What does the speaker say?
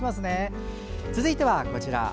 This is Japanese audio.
続いてはこちら。